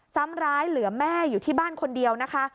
ซ้ำร้ายเหลือแม่อยู่ที่บ้านคนเดียวนะคะ